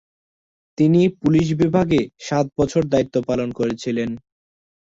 তিনি পুলিশ বিভাগে সাত বছর দায়িত্ব পালন করেছিলেন।